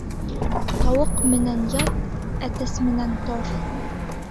Тауыҡ менән ят, әтәс менән тор.